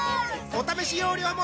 お試し容量も